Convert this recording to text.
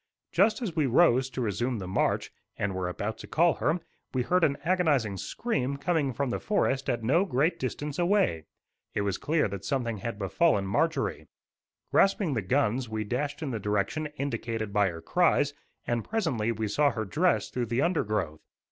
Just as we rose to resume the march, and were about to call her, we heard an agonizing scream coming from the forest at no great distance away. It was clear that something had befallen Marjorie. Grasping the guns, we dashed in the direction indicated by her cries, and presently we saw her dress through the undergrowth.